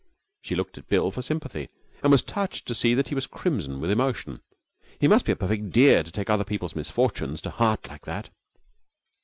She looked at Bill for sympathy, and was touched to see that he was crimson with emotion. He must be a perfect dear to take other people's misfortunes to heart like that.